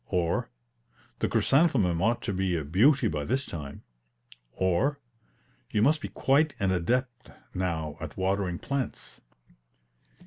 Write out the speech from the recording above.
or, "The chrysanthemum ought to be a beauty by this time;" or, "You must be quite an adept now at watering plants."